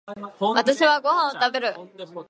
私はご飯を食べる。